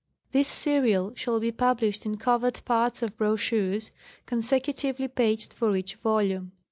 This serial shall be published in covered parts or bro chures, consecutively paged for each volume.